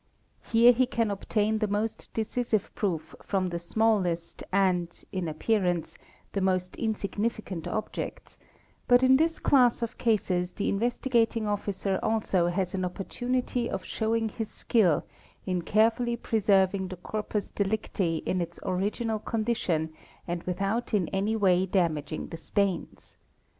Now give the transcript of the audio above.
Here he can obtain the most decisive proof from the smallest and, in appearance, the most insignificant objects, but in this class of cases the Investigating Officer also has an opportunity of showing his skill in carefully preserving the corpus delicti in its original condition and without in any way damaging the stains.